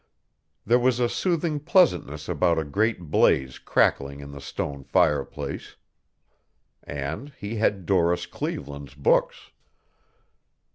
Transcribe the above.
There was a soothing pleasantness about a great blaze crackling in the stone fireplace. And he had Doris Cleveland's books.